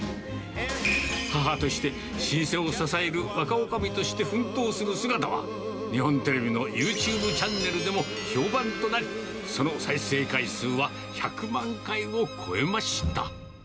母として、老舗を支える若おかみとして奮闘する姿は、日本テレビのユーチューブチャンネルでも評判となり、その再生回数は１００万回を超えました。